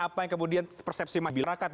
apa yang kemudian persepsi masyarakat